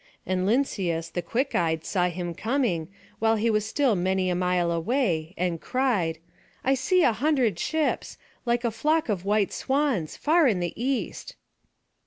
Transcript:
And Lynceus the quick eyed saw him coming, while he was still many a mile away, and cried: "I see a hundred ships, like a flock of white swans, far in the east."